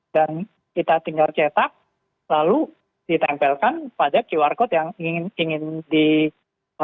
dan kita tinggal cetak lalu ditempelkan pada qr kode yang ingin ditempelkan